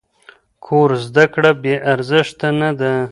کور زده کړه بې ارزښته نه ده.